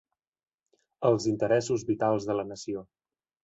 Els interessos vitals de la nació.